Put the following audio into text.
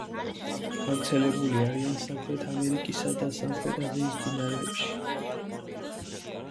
გავრცელებული არიან სამხრეთ ამერიკისა და სამხრეთ აზიის მდინარეებში.